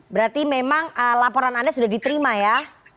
berarti memang laporan anda sudah diterima ya